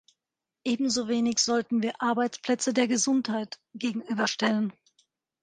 Ebensowenig sollten wir Arbeitsplätze der Gesundheit gegenüberstellen.